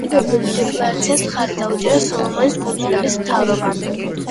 დამოუკიდებლობის დეკლარაციას მხარი დაუჭირა სოლომონის კუნძულების მთავრობამ.